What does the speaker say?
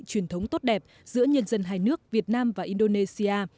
truyền thống tốt đẹp giữa nhân dân hai nước việt nam và indonesia